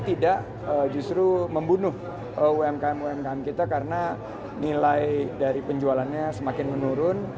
tidak justru membunuh umkm umkm kita karena nilai dari penjualannya semakin menurun